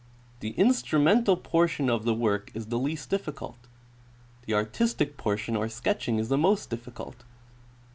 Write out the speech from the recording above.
The instrumental portion of the work is the least difficult ; the artistic portion, or sketching, is the most difficult.